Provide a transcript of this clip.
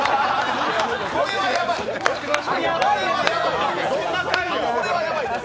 これはやばいです。